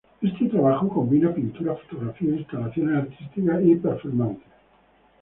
Este trabajo combina pintura, fotografía, instalaciones artísticas y perfomance.